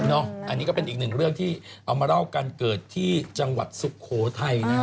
อันนี้ก็เป็นอีกหนึ่งเรื่องที่เอามาเล่ากันเกิดที่จังหวัดสุโขทัยนะฮะ